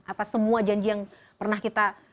apa semua janji yang pernah kita